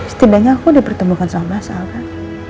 setidaknya aku dipertemukan sama mas al kan